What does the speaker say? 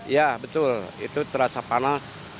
ya betul itu terasa panas